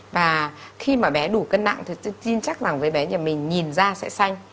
và khi mà bé đủ cân nặng thì tôi tin chắc rằng với bé nhà mình nhìn ra sẽ xanh